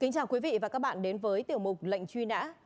kính chào quý vị và các bạn đến với tiểu mục lệnh truy nã